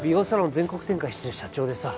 全国展開してる社長でさ